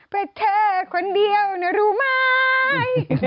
เพื่อเธอคนเดียวนะรู้ไหม